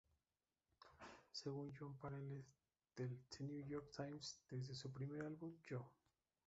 Según Jon Pareles del "The New York Times", "desde su primer álbum, "Yo!